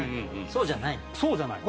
そうじゃない？